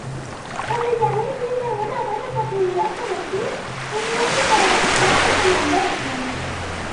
Cuando Janet tiene una buena oportunidad como actriz renuncia para casarse con Alberto.